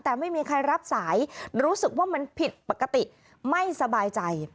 แต่ไม่มีใครรับสายรู้สึกว่ามันผิดปกติไม่สบายใจ